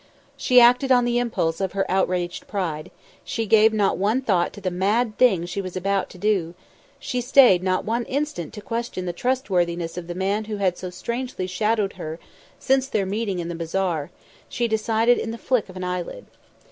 She acted on the impulse of her outraged pride; she gave not one thought to the mad thing she was about to do; she stayed not one instant to question the trustworthiness of the man who had so strangely shadowed her since their meeting in the bazaar; she decided in the flick of an eyelid.